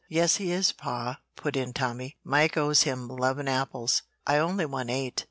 "Yes, he is, pa," put in Tommy. "Mike owes him 'leven apples. I only won eight."